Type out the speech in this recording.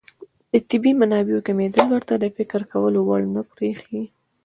د طبیعي منابعو کمېدل ورته د فکر کولو وړ نه بريښي.